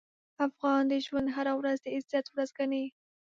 افغان د ژوند هره ورځ د عزت ورځ ګڼي.